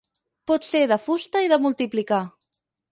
Pot ser de fusta i de multiplicar.